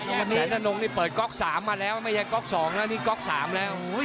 แสนทนงนี่เปิดก๊อกสามมาแล้วไม่ใช่ก๊อกสองนะนี่ก๊อกสามแล้วโอ้ย